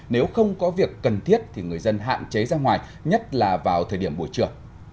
nếu không có việc cần thiết thì người dân hạn chế ra ngoài nhất là vào thời điểm buổi trưa